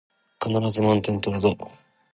必ず満点取るぞ